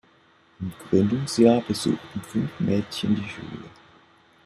Im Gründungsjahr besuchten fünf Mädchen die Schule.